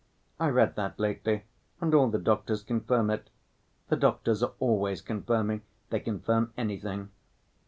I read that lately, and all the doctors confirm it. The doctors are always confirming; they confirm anything.